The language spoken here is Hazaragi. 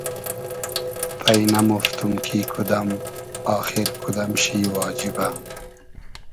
پݷ نئمۉفتوم کی کودئم آخیر کودئم شی واجیبۂ